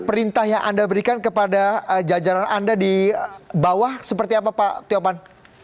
perintah yang anda berikan kepada jajaran anda di bawah seperti apa pak tiopan